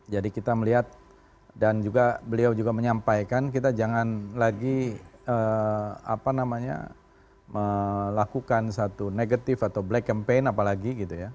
jadi kita melihat dan juga beliau juga menyampaikan kita jangan lagi melakukan satu negatif atau black campaign apalagi gitu ya